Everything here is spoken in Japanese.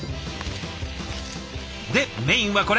でメインはこれ。